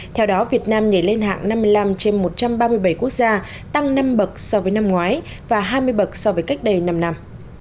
theo đó việt nam nhảy lên hạng năm mươi năm trên một trăm ba mươi bảy quốc gia tăng năm bậc so với năm ngoái và hai mươi bậc so với cách đây năm năm